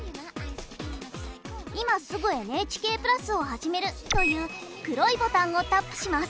「今すぐＮＨＫプラスをはじめる」という黒いボタンをタップします。